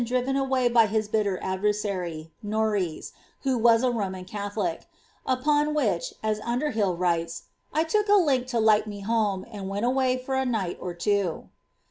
driven away^ by his hitter adfemiy, Norreys, who was a Roman GbthoUc; mKm which, ae Underbill writes, ^ I took a link to light me hoae^ and weM awny for a n%ht or two.'